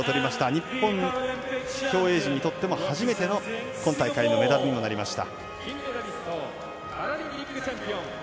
日本、競泳陣にとっても初めての今大会のメダルにもなりました。